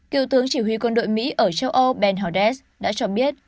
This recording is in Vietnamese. cựu tướng chỉ huy quân đội mỹ ở châu âu ben haldes đã cho biết